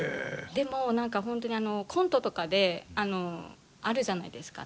でも何か本当にあのコントとかであるじゃないですか。